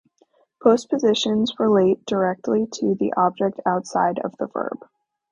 Postpositions relate directly to an object outside of the verb.